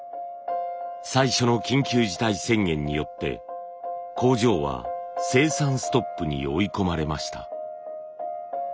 最初の緊急事態宣言によって工場は生産ストップに追い込まれました。